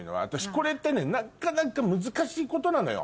これってねなかなか難しいことなのよ。